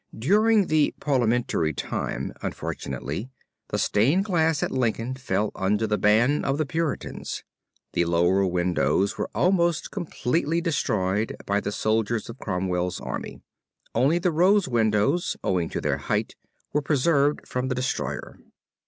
During the Parliamentary time, unfortunately, the stained glass at Lincoln fell under the ban of the Puritans. The lower windows were almost completely destroyed by the soldiers of Cromwell's army. Only the rose windows owing to their height were preserved from the destroyer.